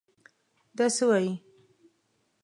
دا څه وايې!